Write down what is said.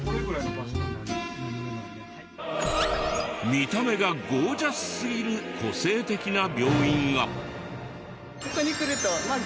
見た目がゴージャスすぎる個性的な病院が。